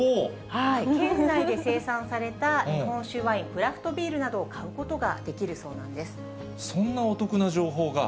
県内で生産された日本酒、ワイン、クラフトビールなどを買うことがそんなお得な情報が。